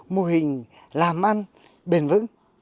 mô hình làm ăn bền vững